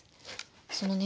そのね